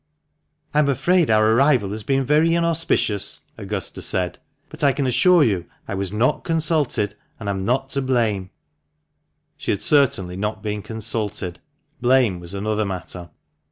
" I am afraid our arrival has been very inauspicious," Augusta said, " but I can assure you I was not consulted, and am not to blame." (She had certainly not been consulted — blame was another matter.)